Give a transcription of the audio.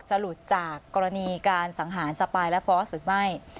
หลุดจากกรณีการสังหารสปายและฟอสหรือไม่